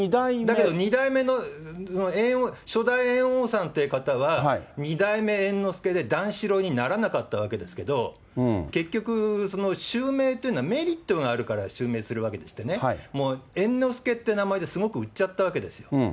だけど二代目の、初代猿翁さんって方は二代目猿之助で、段四郎にならなかったわけですけれども、結局、襲名というのはメリットがあるから襲名するわけでしてね、もう猿之助って名前ですごく売っちゃったわけですよ。